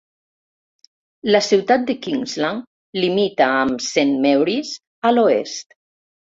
La ciutat de Kingsland limita amb Saint Marys a l'oest.